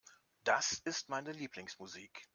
Das ist meine Lieblingsmusik.